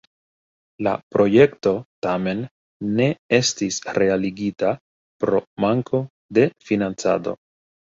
La projekto tamen ne estis realigita pro manko de financado.